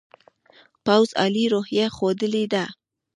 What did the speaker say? پوځ عالي روحیه ښودلې ده.